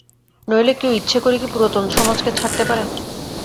নইলে কেউ ইচ্ছা করে কি পুরাতন সমাজকে ছাড়তে পারে?